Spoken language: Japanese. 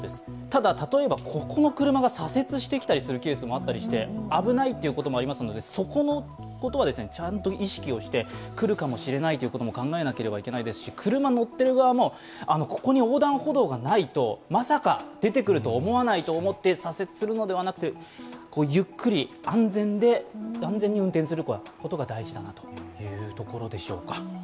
ただ例えばここの車が左折してきたりするケースもありまして危ないということもありますので、そこはちゃんと意識をして、来るかもしれないと考えなければいけませんし、車乗ってる側もここに横断歩道がないとまさか出てくると思わないと思って左折するのではなくてゆっくり安全に運転することが大事だなというところでしょうか。